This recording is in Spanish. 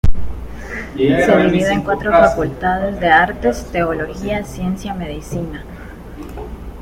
Se divide en cuatro facultades de Artes, Teología, Ciencia y Medicina.